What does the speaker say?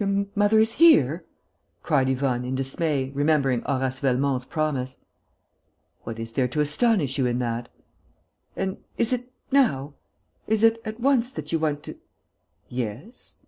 "Your mother is here?" cried Yvonne, in dismay, remembering Horace Velmont's promise. "What is there to astonish you in that?" "And is it now ... is it at once that you want to ...? "Yes."